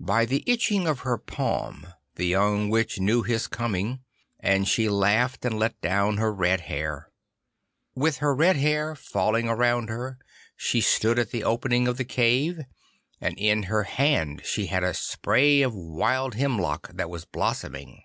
By the itching of her palm the young Witch knew his coming, and she laughed and let down her red hair. With her red hair falling around her, she stood at the opening of the cave, and in her hand she had a spray of wild hemlock that was blossoming.